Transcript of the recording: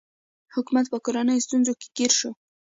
حکومت په کورنیو ستونزو کې ګیر شو.